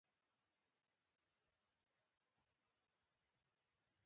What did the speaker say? پر قبرونو مو خدای ایښی برکت دی